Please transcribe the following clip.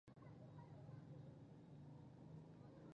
د میرمنو کار د ودونو تاوتریخوالی کموي.